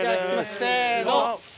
せの。